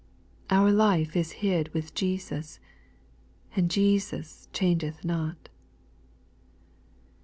Our life is hid with Jesus, — And Jesus changeth not.